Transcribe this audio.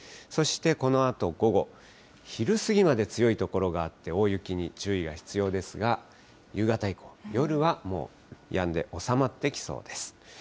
そしてこのあと午後、昼過ぎまで強い所があって、大雪に注意が必要ですが、夕方以降、夜はもうやんで、収まってきそうです。